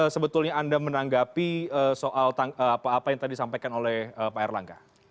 sebetulnya anda menanggapi soal apa yang tadi disampaikan oleh pak erlangga